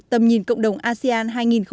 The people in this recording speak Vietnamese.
tầm nhìn cộng đồng asean hai nghìn hai mươi năm